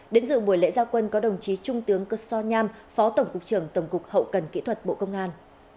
đến dự buổi lễ gia quân có đồng chí trung tướng cơ so nham phó tổng cục trưởng tổng cục hậu cần kỹ thuật bộ công an